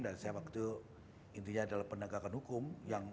dan saya waktu itu intinya adalah pendagangan hukum